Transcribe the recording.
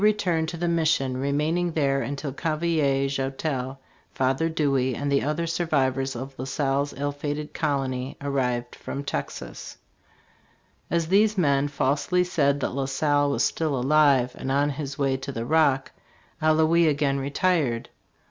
In 1680 Allouez returned to the mission, remaining there until Cavelier, Joutel, Father Douay and the other survivors of La Salle's ill fated colony arrived from Texas, As these men falsely said that La Salle was still alive and on his way to the Rock, Allouez again retired.